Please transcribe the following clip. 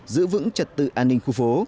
giữ vững trật tự an ninh khu phố